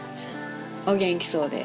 お元気そうで。